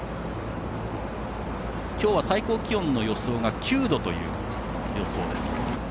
今日は、最高気温の予想が９度という予想です。